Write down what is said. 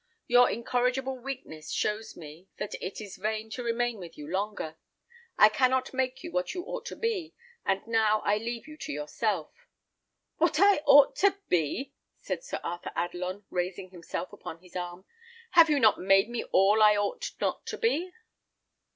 Your incorrigible weakness shows me, that it is vain to remain with you longer. I cannot make you what you ought to be, and now I leave you to yourself." "What I ought to be!" said Sir Arthur Adelon, raising himself upon his arm. "Have you not made me all I ought not to be?"